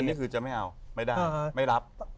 อันนี้คือจะไม่เอาไม่รับ